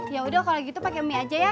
yaudah kalo gitu pake mie aja ya